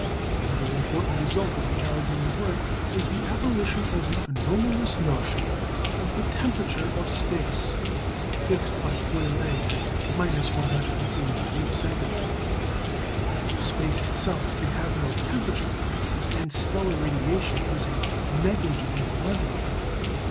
Another important result of the Allegheny work was the abolition of the anomalous notion of the "temperature of space," fixed by Pouillet at 140° C. For space in itself can have no temperature, and stellar radiation is a negligible quantity.